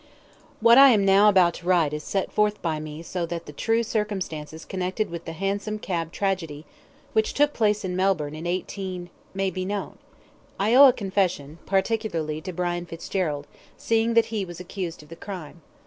"What I am now about to write is set forth by me so that the true circumstances connected with the 'Hansom Cab Tragedy,' which took place in Melbourne in 18 , may be known. I owe a confession, particularly to Brian Fitzgerald, seeing that he was accused of the crime.